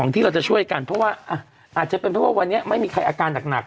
ที่เราจะช่วยกันเพราะว่าอาจจะเป็นเพราะว่าวันนี้ไม่มีใครอาการหนัก